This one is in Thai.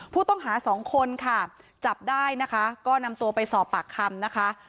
ผู้ต้องหาสองคนค่ะจับได้นะคะก็นำตัวไปสอบปากคำนะคะ